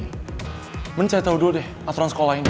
mending saya tahu dulu deh aturan sekolah ini